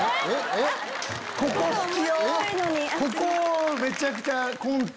ここめちゃくちゃ。